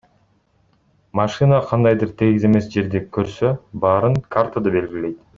Машина кандайдыр тегиз эмес жерди көрсө, баарын картада белгилейт.